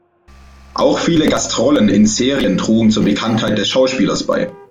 Auch viele Gastrollen in Serien trugen zur Bekanntheit des Schauspielers bei.